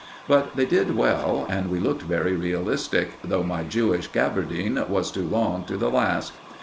But they did well, and we looked very realistic, though my Jewish gaberdine was too long to the last.